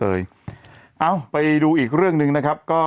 เอ้าไปดูอีกเรื่องหนึ่งนะครับ